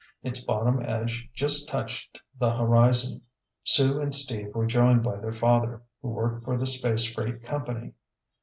Its bottom edge just touched the horizon. Sue and Steve were joined by their father, who worked for the space freight company.